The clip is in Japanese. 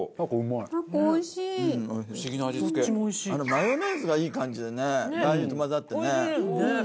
マヨネーズがいい感じでラー油と混ざってね。